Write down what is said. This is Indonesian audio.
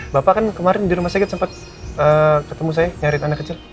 bapak kan kemarin di rumah sakit sempat ketemu saya nyarit anak kecil